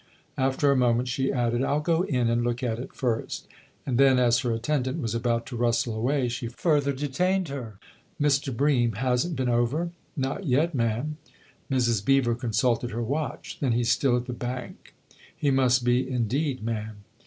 After a moment she added :" I'll go in and look at it first." And then, as her attendant was about to rustle away, she further detained her. " Mr. Bream hasn't been over ?"" Not yet, ma'am." Mrs. Beever consulted her watch. u Then he's still at the Bank." " He must be indeed, ma'am."